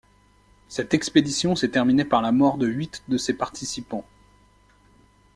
Cette expédition s'est terminée par la mort de huit de ses participants.